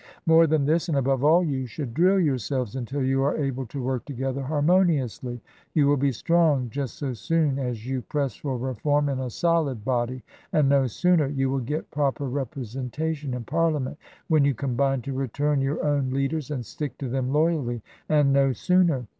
More than this and above all, you should drill yourselves until you are able to work together harmoniously ; you will be strong just so soon as you press for Reform in a . solid body, and no sooner ; you will get proper repre sentation in Parliament when you combine to return your own leaders and stick to them loyally — and no sooner.